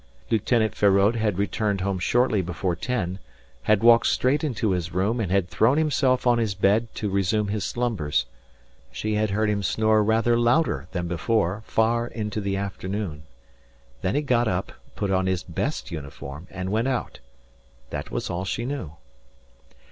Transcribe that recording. Lieutenant Feraud had returned home shortly before ten; had walked straight into his room and had thrown himself on his bed to resume his slumbers. She had heard him snore rather louder than before far into the afternoon. Then he got up, put on his best uniform and went out. That was all she knew.